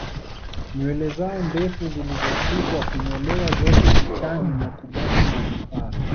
Nywele zao ndefu zilizosukwa hunyolewa zote kichani na kubaki na vipara